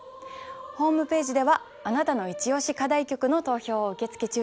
ホームページではあなたのイチオシ課題曲の投票を受け付け中です。